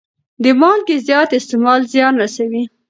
د مالګې زیات استعمال زیان رسوي.